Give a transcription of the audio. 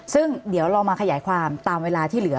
ซึ่งเดี๋ยวเรามาขยายความตามเวลาที่เหลือ